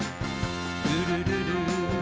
「ルルルル」